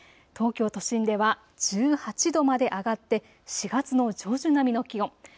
東京都心では１８度まで上がって４月の上旬並みの気温。